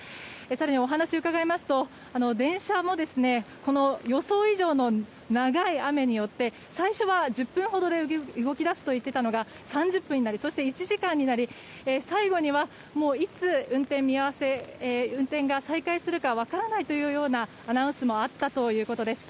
更にお話を伺いますと電車も予想以上の長い雨によって最初は１０分ほどで動き出すと言っていたのが３０分になりそして１時間になり最後には、もういつ運転が再開するか分からないというアナウンスもあったということです。